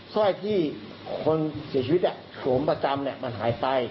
สร้อยที่คนเสียชีวิตอะหลมประจำเนี่ยมันหายไป